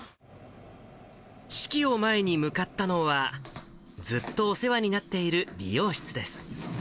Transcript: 式を前に向かったのは、ずっとお世話になっている理容室